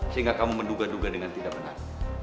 sehingga kamu menduga duga dengan tidak benar